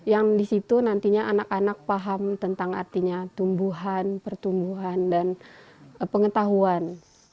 yang disitu nantinya anak anak paham tentang artinya tumbuhan pertumbuhan dan pengetahuan